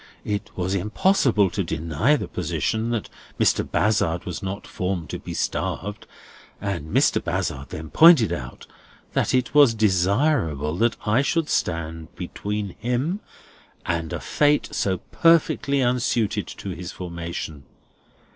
It was impossible to deny the position, that Mr. Bazzard was not formed to be starved, and Mr. Bazzard then pointed out that it was desirable that I should stand between him and a fate so perfectly unsuited to his formation.